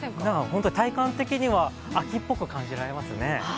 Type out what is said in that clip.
本当に体感的には秋っぽく感じられますね。